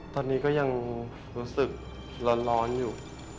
ตอนนี้ก็ยังรู้สึกร้อนอยู่